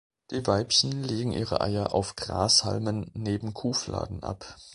Die Weibchen legen ihre Eier auf Grashalmen neben Kuhfladen ab.